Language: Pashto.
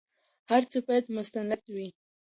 هر څه بايد مستند وي.